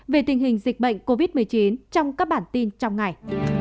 về tình hình dịch bệnh covid một mươi chín trong các bản tin trong ngày